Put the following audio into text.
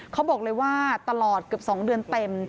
เขาบอกเลยว่าตลอดเกือบ๒เดือนเต็ม